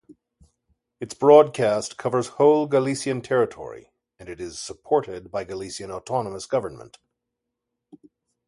Its broadcast covers whole Galician territory and it is supported by Galician autonomous government.